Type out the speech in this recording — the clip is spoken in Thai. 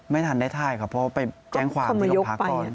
ไม่ทันได้ถ่ายครับเพราะว่าไปแจ้งความที่โรงพักก่อน